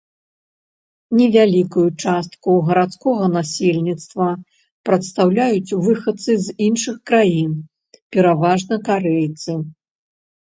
Невялікую частку гарадскога насельніцтва прадстаўляюць выхадцы з іншых краін, пераважна карэйцы.